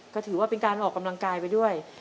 ก็ถือว่าเป็นการออกกำลังกายไปด้วย